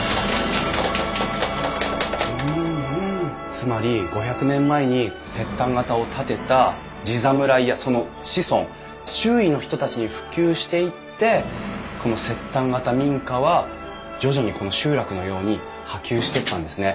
つまり５００年前に摂丹型を建てた地侍やその子孫周囲の人たちに普及していってこの摂丹型民家は徐々にこの集落のように波及していったんですね。